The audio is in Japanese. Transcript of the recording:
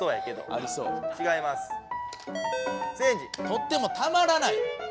「とってもたまらない」。